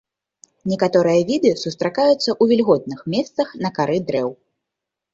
Некаторыя віды сустракаюцца ў вільготных месцах на кары дрэў.